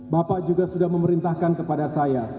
bapak juga sudah memerintahkan kepada saya